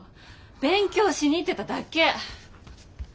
勉強しに行ってただけ。